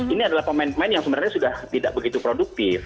ini adalah pemain pemain yang sebenarnya sudah tidak begitu produktif